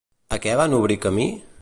A què van obrir camí?